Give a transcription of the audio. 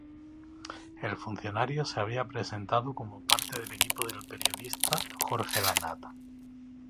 El funcionario se habría presentado como parte del equipo del periodista Jorge Lanata.